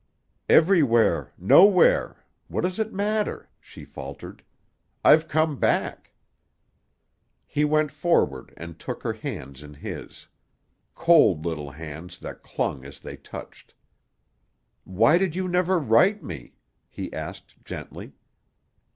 "Everywhere. Nowhere. What does it matter?" she faltered. "I've come back." He went forward and took her hands in his; cold little hands that clung as they touched. "Why did you never write me?" he asked gently.